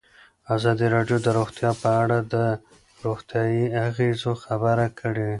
ازادي راډیو د روغتیا په اړه د روغتیایي اغېزو خبره کړې.